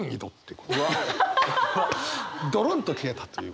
ドロンと消えたという。